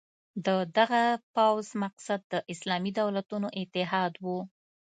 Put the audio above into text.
د دغه پوځ مقصد د اسلامي دولتونو اتحاد وو.